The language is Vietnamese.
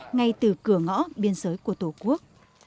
ngay từ cửa ngõ biên giới của tổ quốc